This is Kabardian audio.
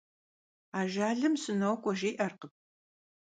Ajjalım «sınok'ue» jji'erkhım.